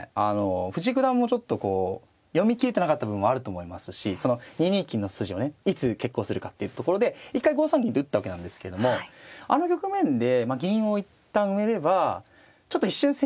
藤井九段もちょっとこう読み切れてなかった部分もあると思いますしその２二金の筋をねいつ決行するかっていうところで一回５三銀と打ったわけなんですけどもあの局面で銀を一旦埋めればちょっと一瞬千日手の筋がね